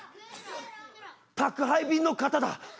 宅配便の方だ。